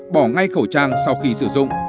bỏ ngay khẩu trang sau khi sử dụng